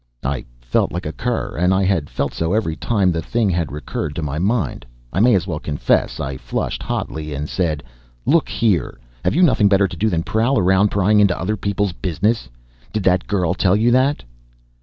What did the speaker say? I felt like a cur! And I had felt so every time the thing had recurred to my mind, I may as well confess. I flushed hotly and said: "Look here, have you nothing better to do than prowl around prying into other people's business? Did that girl tell you that?"